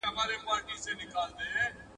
کار چا وکی، چي تمام ئې کی.